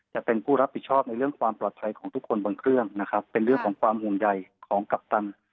จะเป็นผู้รับผิดชอบในเรื่องความปลอดภัยของทุกคนบนเครื่องนะครับเป็นเรื่องของความห่วงใยของกัปตัน